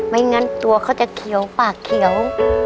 ไม่งั้นตัวเขาจะเขียวปากเขียว